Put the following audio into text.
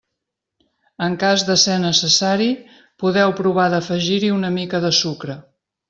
En cas de ser necessari, podeu provar d'afegir-hi una mica de sucre.